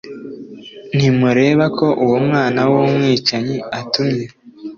ntimureba ko uwo mwana w umwicanyi atumye